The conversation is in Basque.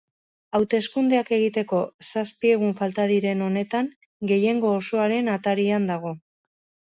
Hauteskundeak egiteko zazpi egun falta diren honetan, gehiengo osoaren atarian dago.